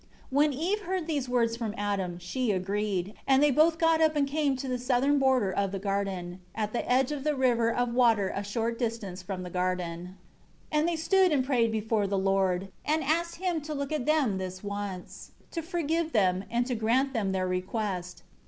7 When Eve heard these words from Adam, she agreed; and they both got up and came to the southern border of the garden, at the edge of the river of water a short distance from the garden. 8 And they stood and prayed before the Lord, and asked Him to look at them this once, to forgive them, and to grant them their request.